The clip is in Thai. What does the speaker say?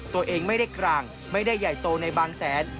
ตัวเองไม่ได้กลางไม่ได้ใหญ่โตในบางแสน